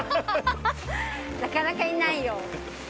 なかなかいないよ。